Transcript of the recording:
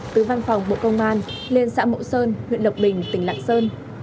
từ văn phòng bộ công an lên xã mẫu sơn huyện lộc bình tỉnh lạng sơn